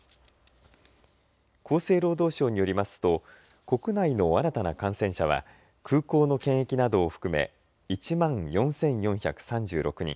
厚生労働省によりますと国内の新たな感染者は空港の検疫などを含め１万４４３６人。